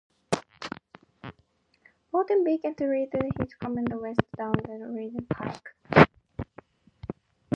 Ord then began to lead his command west, down the Leesburg Pike.